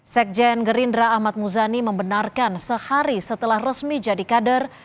sekjen gerindra ahmad muzani membenarkan sehari setelah resmi jadi kader